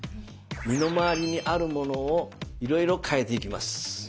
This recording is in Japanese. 身の回りにあるものをいろいろ変えていきます。